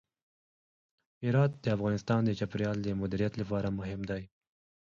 هرات د افغانستان د چاپیریال د مدیریت لپاره مهم دي.